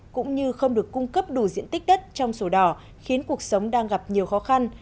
cũng như không được cung cấp đủ diện tích đất trong sổ đỏ khiến cuộc sống đang gặp nhiều khó khăn